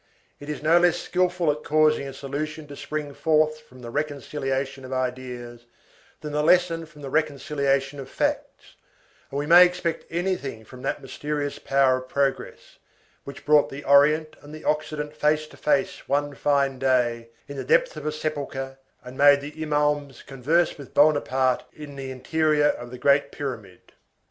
It is no less skilful at causing a solution to spring forth from the reconciliation of ideas, than a lesson from the reconciliation of facts, and we may expect anything from that mysterious power of progress, which brought the Orient and the Occident face to face one fine day, in the depths of a sepulchre, and made the imaums converse with Bonaparte in the interior of the Great Pyramid.